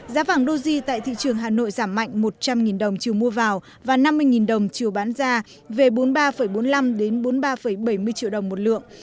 giá vàng doji tại thị trường hà nội giảm mạnh một trăm linh đồng chiều mua vào và năm mươi đồng chiều bán ra về bốn mươi ba bốn mươi năm bốn mươi ba bảy mươi triệu đồng một lượng